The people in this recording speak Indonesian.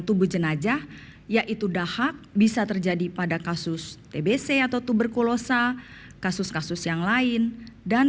tubuh jenajah yaitu dahak bisa terjadi pada kasus tbc atau tuberkulosa kasus kasus yang lain dan